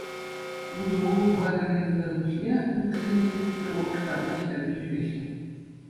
Утӑ-улӑм хатӗрленисӗр пуҫне выльӑхсене черетпе улӑх-ҫарана ҫитерме ҫӳреҫҫӗ.